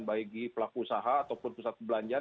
bagi pelaku usaha ataupun pusat perbelanjaan